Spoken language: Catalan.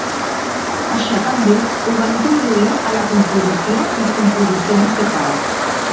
Això també ho va introduir a la composició i composició musical.